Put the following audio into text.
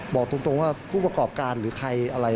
บอกตรงว่าผู้ประกอบการหรือใครอะไร